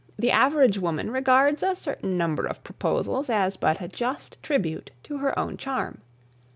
The average woman regards a certain number of proposals as but a just tribute to her own charm.